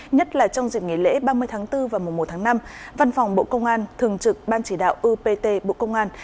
nhất là trong dịp nghỉ lễ ba mươi tháng bốn và mùa một tháng năm văn phòng bộ công an thường trực ban chỉ đạo upt bộ công an